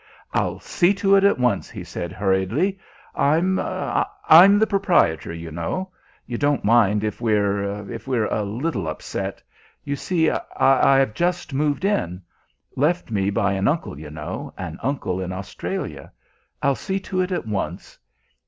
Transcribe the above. "I'll see to it at once," he said hurriedly. "I'm I'm the proprietor, you know. You won't mind if we're if we're a little upset. You see, I I've just moved in. Left me by an uncle, you know, an uncle in Australia. I'll see to it at once.